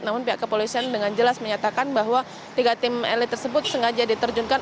namun pihak kepolisian dengan jelas menyatakan bahwa tiga tim elit tersebut sengaja diterjunkan